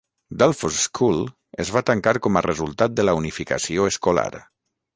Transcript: Delphos School es va tancar com a resultat de la unificació escolar.